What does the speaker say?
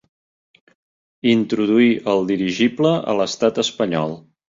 Introduí el dirigible a l'estat espanyol.